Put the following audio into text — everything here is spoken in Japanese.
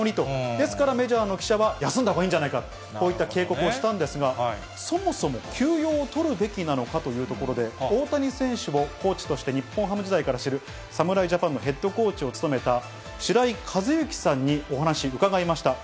ですからメジャーの記者は休んだほうがいいんじゃないか、こういった警告をしたんですが、そもそも休養をとるべきなのかというところで、大谷選手を、コーチとして、日本ハム時代から知る、侍ジャパンのヘッドコーチを務めた白井一幸さんにお話伺いました。